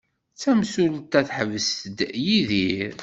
Tamsulta teḥbes-d Yidir.